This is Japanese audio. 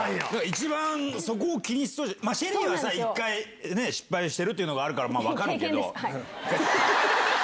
一番そこを気にしそう、ＳＨＥＬＬＹは１回、失敗してるっていうのがあるから分かるけど。